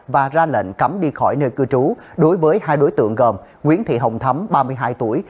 và ra lệnh cấm đi khỏi nơi cư trú đối với hai đối tượng gồm nguyễn thị hồng thấm ba mươi hai tuổi